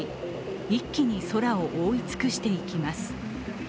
一気に空を覆い尽くしていきます。